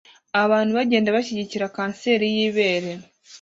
Abantu bagenda bashyigikira kanseri y'ibere